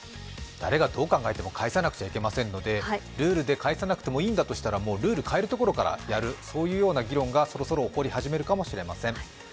誰がどう考えても返さなければいけませんのでルールで返さなくてもいいんだとしたらもうルールを変えるところからやるという議論がそろそろ起こり始めるかもしれません。